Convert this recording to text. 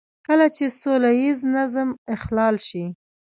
کله چې سوله ييز نظم اخلال شي.